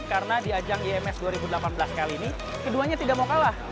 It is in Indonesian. karena di ajang iims dua ribu delapan belas kali ini keduanya tidak mau kalah